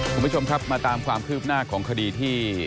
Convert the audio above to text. คุณผู้ชมครับมาตามความคืบหน้าของคดีที่